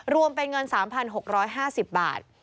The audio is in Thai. รวมเป็นเงิน๓๖๕๐บาท